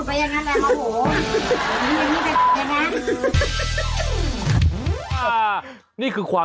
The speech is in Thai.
อะไรเปล่า